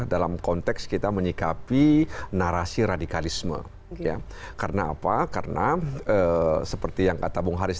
dalam konteks kita menyikapi narasi radikalisme ya karena apa karena seperti yang kata bung haris